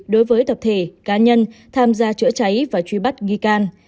đối với tập thể cá nhân tham gia chữa cháy và truy bắt nghi can